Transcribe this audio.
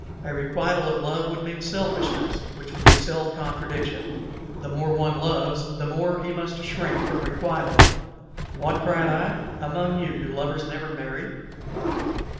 A requital of love would mean selfishness, which would be self contradiction. The more one loves, the more he must shrink from requital." "What!" cried I, "among you do lovers never marry?"